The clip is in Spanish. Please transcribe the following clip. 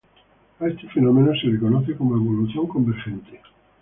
A este fenómeno se le conoce como evolución convergente.